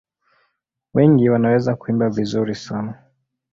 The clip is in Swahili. Wengi wanaweza kuimba vizuri sana.